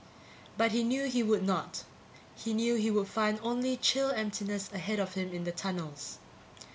But he knew he would not. He knew he would find only chill emptiness ahead of him in the tunnels.